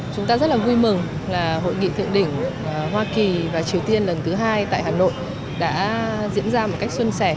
chúng ta rất là vui mừng là hội nghị thượng đỉnh hoa kỳ và triều tiên lần thứ hai tại hà nội đã diễn ra một cách xuân sẻ